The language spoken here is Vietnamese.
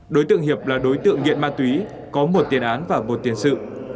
đối tượng hiệp là đối tượng nghiện ma túy có một tiền án và một tiền sự